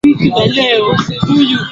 iba ya jamhuri wa muungano ibadilishwe